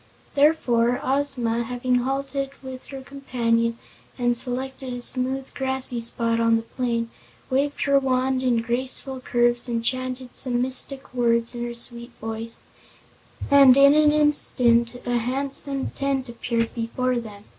Therefore Ozma, having halted with her companion and selected a smooth, grassy spot on the plain, waved her wand in graceful curves and chanted some mystic words in her sweet voice, and in an instant a handsome tent appeared before them.